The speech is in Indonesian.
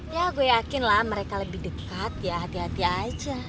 ya gue yakin lah mereka lebih dekat ya hati hati aja